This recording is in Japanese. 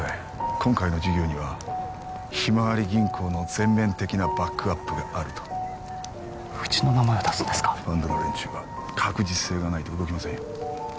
今回の事業にはひまわり銀行の全面的なバックアップがあるとうちの名前を出すんですかファンドの連中は確実性がないと動きませんよ